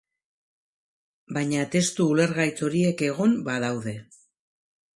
Baina testu ulergaitz horiek egon badaude.